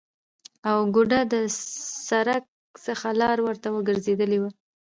او گوډه د سرک څخه لار ورته ورگرځیدلې ده،